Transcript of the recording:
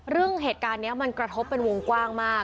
เรื่องเหตุการณ์นี้มันกระทบเป็นวงกว้างมาก